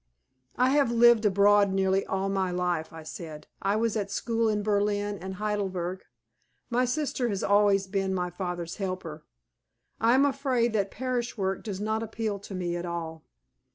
"I have lived abroad nearly all my life," I said. "I was at school in Berlin and Heidelberg. My sister has always been my father's helper. I am afraid that parish work does not appeal to me at all."